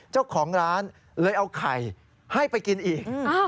เจ้าของร้านเลยเอาไข่ให้ไปกินอีก